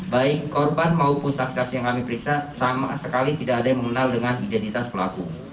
baik korban maupun saksi saksi yang kami periksa sama sekali tidak ada yang mengenal dengan identitas pelaku